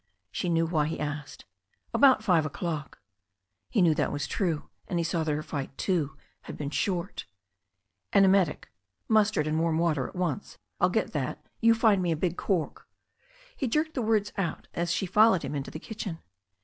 She knew why he asked. "About five o'clock." He knew that was true, and he saW that her fight, too, had been short. "An emetic — ^mustard and warm water — at once — ^I'U get that — ^you find me a big cork " He jerked the words out as she followed him into the kitchen.